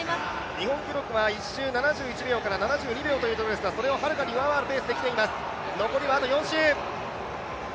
日本記録は１周７１秒から７２秒ですがそれをはるかに上回るペースできています、残りはあと４周。